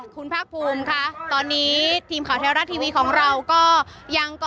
คุณภาคภูมิค่ะตอนนี้ทีมข่าวไทยรัฐทีวีของเราก็ยังก็